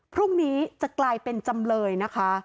พรุ่งนี้จะกลายเป็นจำเลยนะคะ